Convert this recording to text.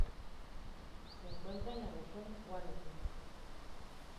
Se encuentra en la región Huánuco.